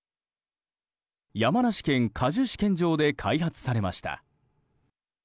山梨県果樹試験場で開発されました。